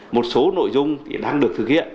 một số nội dung đang được thực hiện